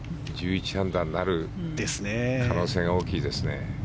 １１アンダーになる可能性が大きいですね。